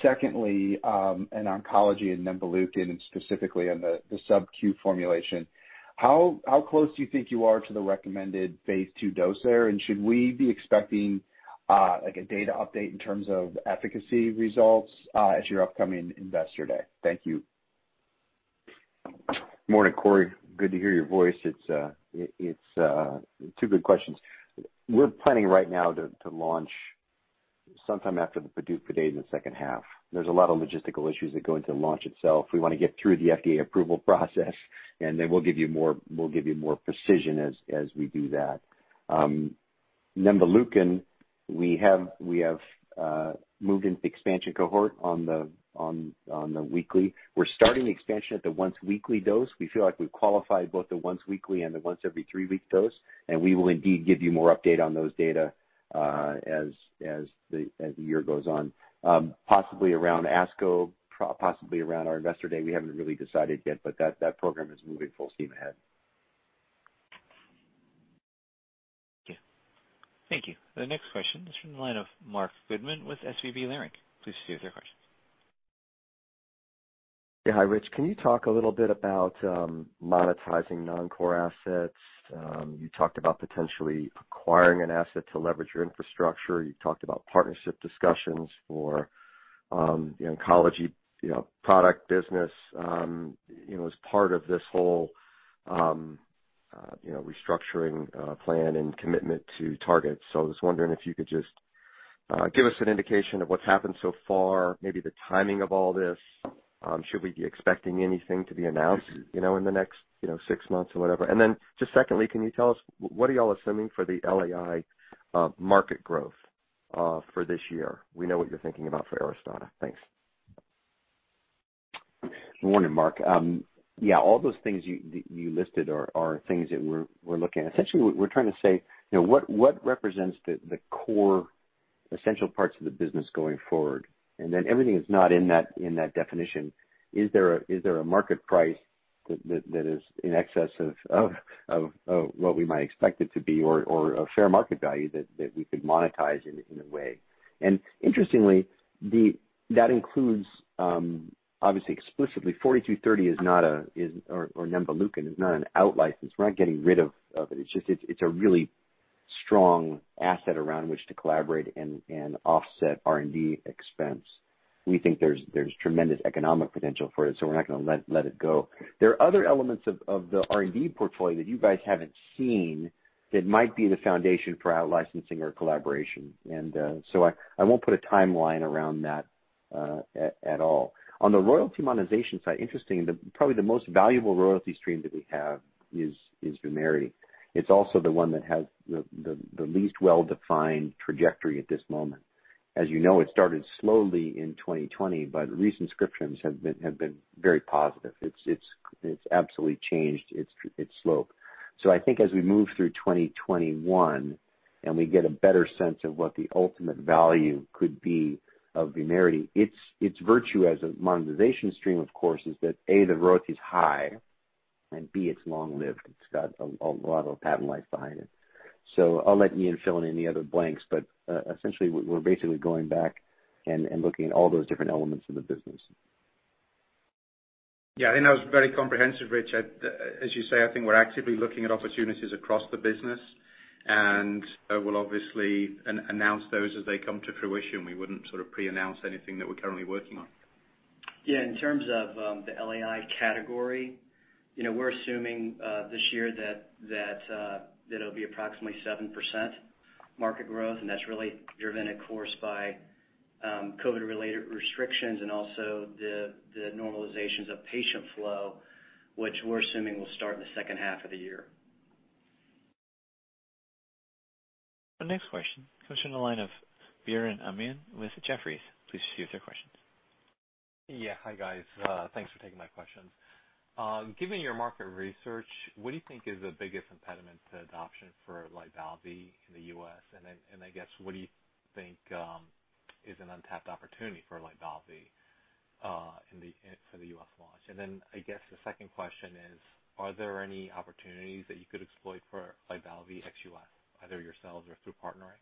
Secondly, in oncology and Nemvaleukin and specifically on the subQ formulation, how close do you think you are to the recommended phase II dose there? Should we be expecting a data update in terms of efficacy results at your upcoming Investor Day? Thank you. Morning, Cory. Good to hear your voice. It's two good questions. We're planning right now to launch sometime after the PDUFA date in the second half. There's a lot of logistical issues that go into the launch itself. We want to get through the FDA approval process and then we'll give you more precision as we do that. Nemvaleukin, we have moved into expansion cohort on the weekly. We're starting expansion at the once-weekly dose. We feel like we've qualified both the once-weekly and the once every three-week dose, and we will indeed give you more update on those data as the year goes on. Possibly around ASCO, possibly around our Investor Day, we haven't really decided yet, but that program is moving full steam ahead. Thank you. The next question is from the line of Marc Goodman with SVB Leerink. Please proceed with your question. Hi, Rich. Can you talk a little bit about monetizing non-core assets? You talked about potentially acquiring an asset to leverage your infrastructure. You talked about partnership discussions for the oncology product business as part of this whole restructuring plan and commitment to targets. I was wondering if you could just give us an indication of what's happened so far, maybe the timing of all this. Should we be expecting anything to be announced in the next six months or whatever? Then just secondly, can you tell us what are you all assuming for the LAI market growth for this year? We know what you're thinking about for ARISTADA. Thanks. Morning, Marc. Yeah, all those things you listed are things that we're looking at. Essentially, we're trying to say what represents the core essential parts of the business going forward, and then everything that's not in that definition, is there a market price that is in excess of what we might expect it to be or a fair market value that we could monetize in a way? Interestingly, that includes, obviously explicitly 4230 or Nemvaleukin is not an out-license. We're not getting rid of it. It's a really strong asset around which to collaborate and offset R&D expense. We think there's tremendous economic potential for it, we're not going to let it go. There are other elements of the R&D portfolio that you guys haven't seen that might be the foundation for out-licensing or collaboration. I won't put a timeline around that at all. On the royalty monetization side, interesting, probably the most valuable royalty stream that we have is Vumerity. It's also the one that has the least well-defined trajectory at this moment. As you know, it started slowly in 2020, recent prescriptions have been very positive. It's absolutely changed its slope. I think as we move through 2021, and we get a better sense of what the ultimate value could be of Vumerity, its virtue as a monetization stream, of course, is that, A, the royalty is high, and B, it's long-lived. It's got a lot of patent life behind it. I'll let Iain fill in any other blanks, essentially, we're basically going back and looking at all those different elements of the business. Yeah. I think that was very comprehensive, Rich. As you say, I think we're actively looking at opportunities across the business, and we'll obviously announce those as they come to fruition. We wouldn't pre-announce anything that we're currently working on. Yeah. In terms of the LAI category, we're assuming this year that it'll be approximately 7% market growth, and that's really driven, of course, by COVID-19-related restrictions and also the normalizations of patient flow, which we're assuming will start in the second half of the year. Our next question comes from the line of Biren Amin with Jefferies. Please proceed with your question. Yeah. Hi, guys. Thanks for taking my questions. Given your market research, what do you think is the biggest impediment to adoption for LYBALVI in the U.S., and I guess what do you think is an untapped opportunity for LYBALVI for the U.S. launch? I guess the second question is: are there any opportunities that you could exploit for LYBALVI ex U.S., either yourselves or through partnering?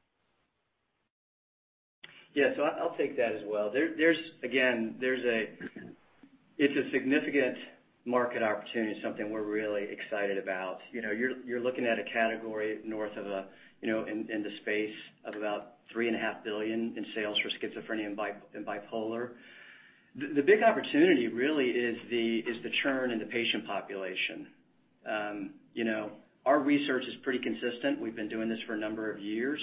Yeah. I'll take that as well. It's a significant market opportunity, something we're really excited about. You're looking at a category north of, in the space of about three and a half billion in sales for schizophrenia and bipolar. The big opportunity really is the churn in the patient population. Our research is pretty consistent. We've been doing this for a number of years.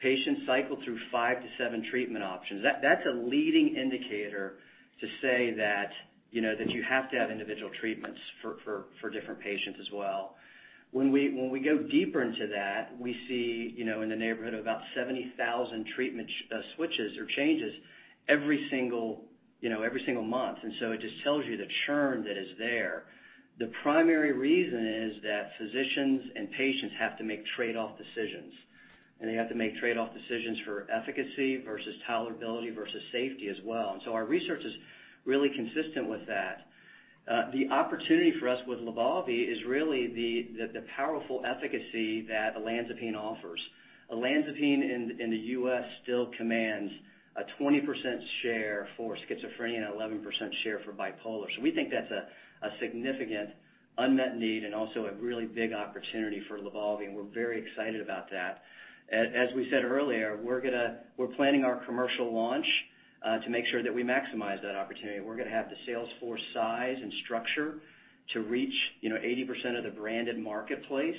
Patients cycle through five to seven treatment options. That's a leading indicator to say that you have to have individual treatments for different patients as well. When we go deeper into that, we see in the neighborhood of about 70,000 treatment switches or changes every single month. It just tells you the churn that is there. The primary reason is that physicians and patients have to make trade-off decisions, and they have to make trade-off decisions for efficacy versus tolerability, versus safety as well. Our research is really consistent with that. The opportunity for us with LYBALVI is really the powerful efficacy that olanzapine offers. Olanzapine in the U.S. still commands a 20% share for schizophrenia and an 11% share for bipolar. We think that's a significant unmet need and also a really big opportunity for LYBALVI, and we're very excited about that. As we said earlier, we're planning our commercial launch, to make sure that we maximize that opportunity. We're going to have the sales force size and structure to reach 80% of the branded marketplace.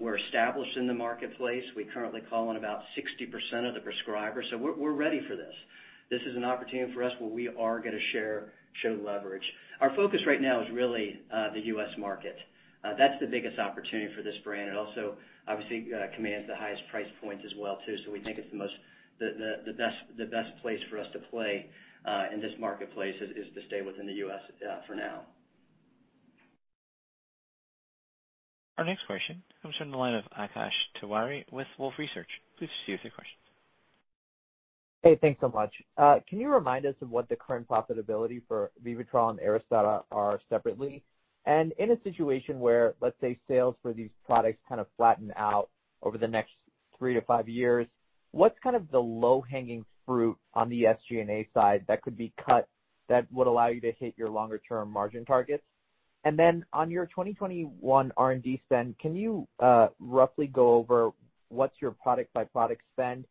We're established in the marketplace. We currently call on about 60% of the prescribers, so we're ready for this. This is an opportunity for us where we are going to show leverage. Our focus right now is really the U.S. market. That's the biggest opportunity for this brand, and also obviously commands the highest price points as well too. We think the best place for us to play in this marketplace is to stay within the U.S. for now. Our next question comes from the line of Akash Tewari with Wolfe Research. Please proceed with your question. Hey, thanks so much. Can you remind us of what the current profitability for VIVITROL and ARISTADA are separately? In a situation where, let's say, sales for these products kind of flatten out over the next three to five years, what's kind of the low-hanging fruit on the SG&A side that could be cut that would allow you to hit your longer-term margin targets? Then on your 2021 R&D spend, can you roughly go over what's your product by product spend,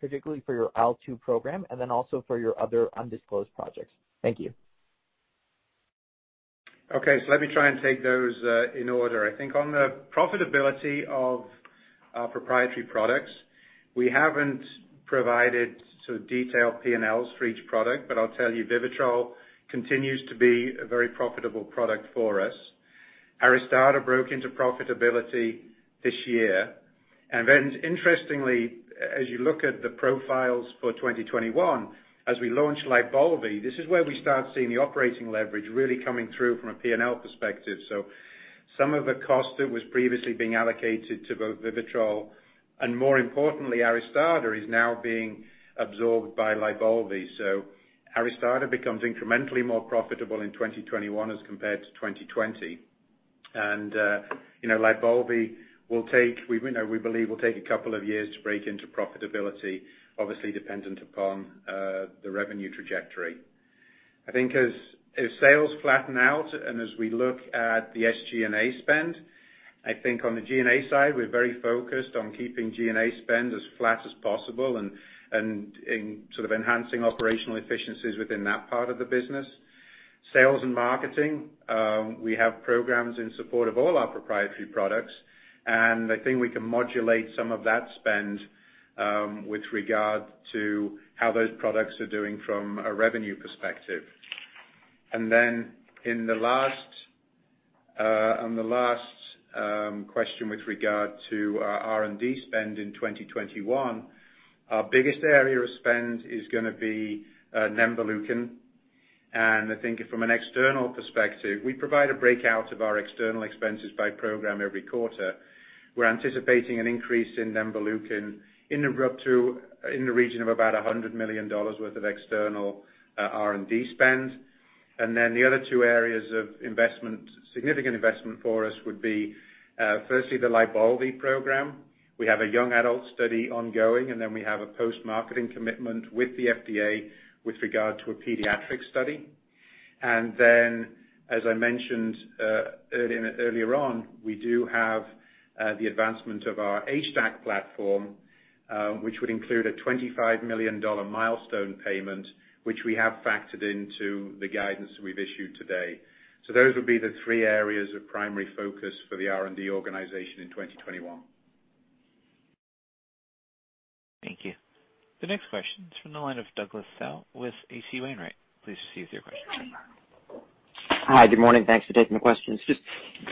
particularly for your IL-2 program, and then also for your other undisclosed projects? Thank you. Okay. Let me try and take those in order. I think on the profitability of our proprietary products, we haven't provided sort of detailed P&Ls for each product, but I'll tell you, VIVITROL continues to be a very profitable product for us. ARISTADA broke into profitability this year. Interestingly, as you look at the profiles for 2021, as we launch LYBALVI, this is where we start seeing the operating leverage really coming through from a P&L perspective. Some of the cost that was previously being allocated to both VIVITROL and more importantly, ARISTADA, is now being absorbed by LYBALVI. ARISTADA becomes incrementally more profitable in 2021 as compared to 2020. LYBALVI, we believe, will take a couple of years to break into profitability, obviously dependent upon the revenue trajectory. I think as sales flatten out and as we look at the SG&A spend, I think on the G&A side, we're very focused on keeping G&A spend as flat as possible and sort of enhancing operational efficiencies within that part of the business. Sales and marketing, we have programs in support of all our proprietary products, and I think we can modulate some of that spend with regard to how those products are doing from a revenue perspective. The last question with regard to our R&D spend in 2021. Our biggest area of spend is going to be Nemvaleukin, and I think from an external perspective, we provide a breakout of our external expenses by program every quarter. We're anticipating an increase in Nemvaleukin in the region of about $100 million worth of external R&D spend. The other two areas of significant investment for us would be, firstly, the LYBALVI program. We have a young adult study ongoing, and then we have a post-marketing commitment with the FDA with regard to a pediatric study. As I mentioned earlier on, we do have the advancement of our HDAC platform, which would include a $25 million milestone payment, which we have factored into the guidance we've issued today. Those would be the three areas of primary focus for the R&D organization in 2021. Thank you. The next question is from the line of Douglas Tsao with H.C. Wainwright. Please proceed with your question. Hi. Good morning. Thanks for taking the questions. Just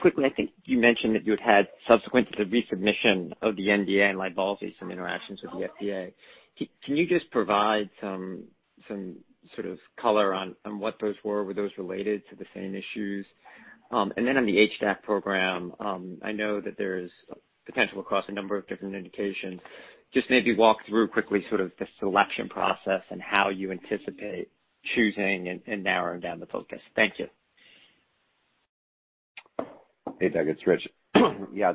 quickly, I think you mentioned that you had had subsequent to the resubmission of the NDA in LYBALVI, some interactions with the FDA. Can you just provide some sort of color on what those were? Were those related to the same issues? On the HDAC program, I know that there's potential across a number of different indications. Just maybe walk through quickly sort of the selection process and how you anticipate choosing and narrowing down the focus. Thank you. Hey, Doug, it's Rich. Yeah,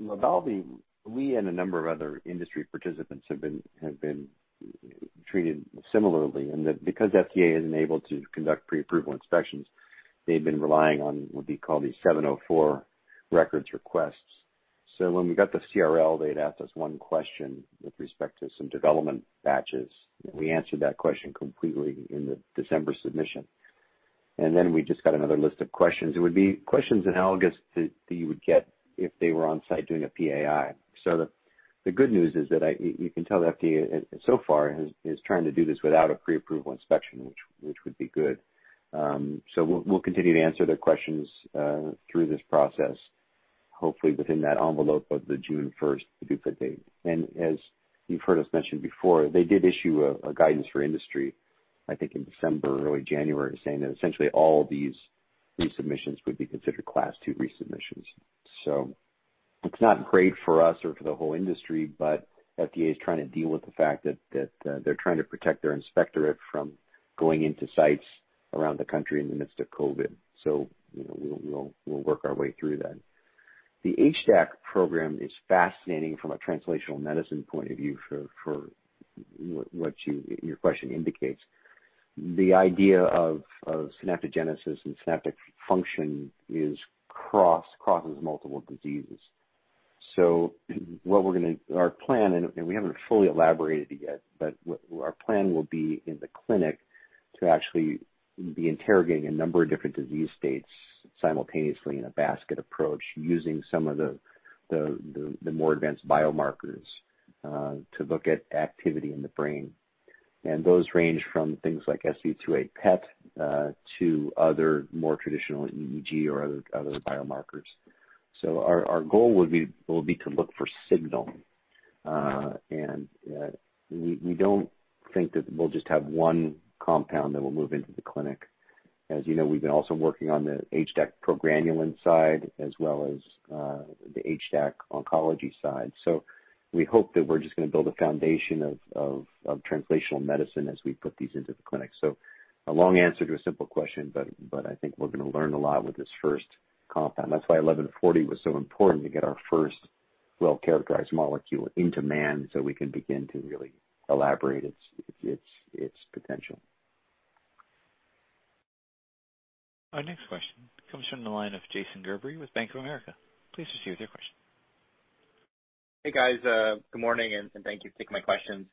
LYBALVI, we and a number of other industry participants have been treated similarly in that because FDA isn't able to conduct pre-approval inspections, they've been relying on what they call these 704 records requests. When we got the CRL, they'd asked us one question with respect to some development batches. We answered that question completely in the December submission. We just got another list of questions. It would be questions analogous that you would get if they were on site doing a PAI. The good news is that you can tell the FDA so far is trying to do this without a pre-approval inspection, which would be good. We'll continue to answer their questions through this process, hopefully within that envelope of the June 1st PDUFA date. As you've heard us mention before, they did issue a guidance for industry, I think, in December or early January, saying that essentially all these resubmissions would be considered Class 2 resubmissions. It's not great for us or for the whole industry, but FDA is trying to deal with the fact that they're trying to protect their inspectorate from going into sites around the country in the midst of COVID. We'll work our way through that. The HDAC program is fascinating from a translational medicine point of view for what your question indicates. The idea of synaptogenesis and synaptic function crosses multiple diseases. Our plan, and we haven't fully elaborated it yet, but our plan will be in the clinic to actually be interrogating a number of different disease states simultaneously in a basket approach, using some of the more advanced biomarkers to look at activity in the brain. Those range from things like SV2A PET to other more traditional EEG or other biomarkers. Our goal will be to look for signal. We don't think that we'll just have one compound that will move into the clinic. As you know, we've been also working on the HDAC progranulin side as well as the HDAC oncology side. We hope that we're just going to build a foundation of translational medicine as we put these into the clinic. A long answer to a simple question, but I think we're going to learn a lot with this first compound. That's why 1140 was so important to get our first well-characterized molecule into man so we can begin to really elaborate its potential. Our next question comes from the line of Jason Gerberry with Bank of America. Please proceed with your question. Hey, guys. Good morning, and thank you for taking my questions.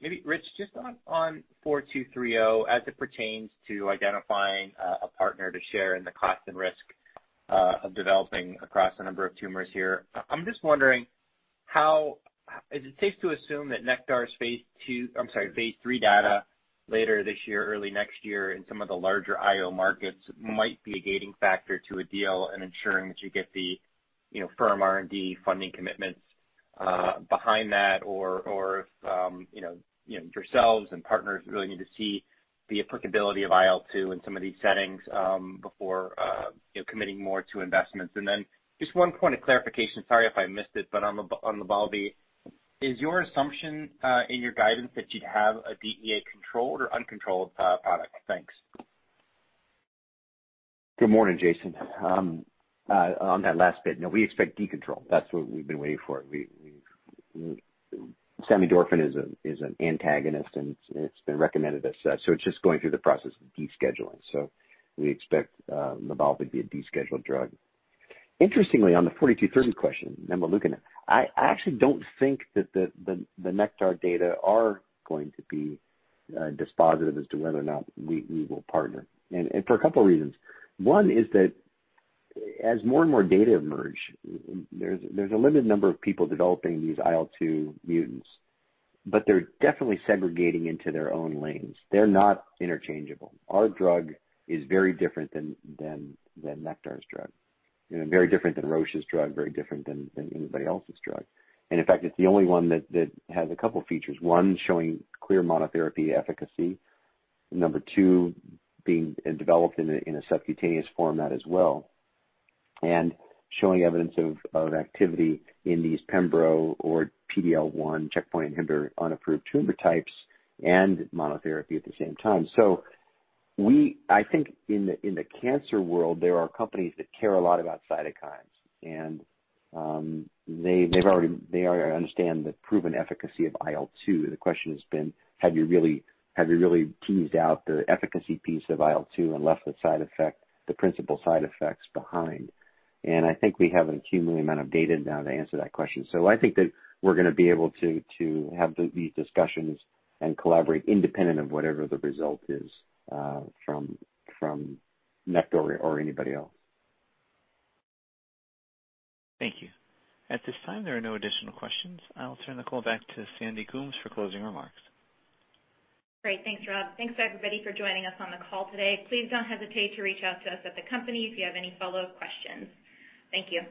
Maybe Rich, just on 4230, as it pertains to identifying a partner to share in the cost and risk of developing across a number of tumors here, I'm just wondering is it safe to assume that Nektar's phase III data later this year, early next year in some of the larger IO markets might be a gating factor to a deal and ensuring that you get the firm R&D funding commitments behind that or if yourselves and partners really need to see the applicability of IL-2 in some of these settings before committing more to investments. Then just one point of clarification, sorry if I missed it, but on LYBALVI, is your assumption in your guidance that you'd have a DEA-controlled or uncontrolled product? Thanks. Good morning, Jason. On that last bit, no, we expect decontrol. That's what we've been waiting for. Samidorphan is an antagonist, and it's been recommended as such. It's just going through the process of descheduling. We expect LYBALVI to be a descheduled drug. Interestingly, on the 4230 question, Nemvaleukin, I actually don't think that the Nektar data are going to be dispositive as to whether or not we will partner. For a couple reasons. One is that as more and more data emerge, there's a limited number of people developing these IL-2 mutants, but they're definitely segregating into their own lanes. They're not interchangeable. Our drug is very different than Nektar's drug, very different than Roche's drug, very different than anybody else's drug. In fact, it's the only one that has a couple features. One, showing clear monotherapy efficacy. Number two, being developed in a subcutaneous format as well, and showing evidence of activity in these pembro or PD-L1 checkpoint inhibitor unapproved tumor types and monotherapy at the same time. I think in the cancer world, there are companies that care a lot about cytokines, and they already understand the proven efficacy of IL-2. The question has been, have you really teased out the efficacy piece of IL-2 and left the principal side effects behind? I think we have an accumulated amount of data now to answer that question. I think that we're going to be able to have these discussions and collaborate independent of whatever the result is from Nektar or anybody else. Thank you. At this time, there are no additional questions. I'll turn the call back to Sandy Coombs for closing remarks. Great. Thanks, Rob. Thanks, everybody, for joining us on the call today. Please don't hesitate to reach out to us at the company if you have any follow-up questions. Thank you.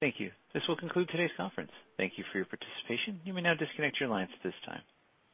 Thank you. This will conclude today's conference. Thank you for your participation. You may now disconnect your lines at this time.